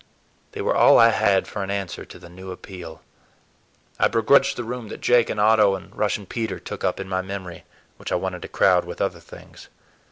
They were all I had for an answer to the new appeal. I begrudged the room that Jake and Otto and Russian Peter took up in my memory, which I wanted to crowd with other things.